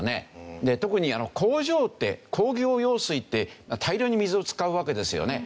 特に工場って工業用水って大量に水を使うわけですよね。